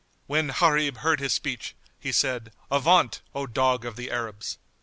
When Gharib heard his speech, he said, "Avaunt, O dog of the Arabs!"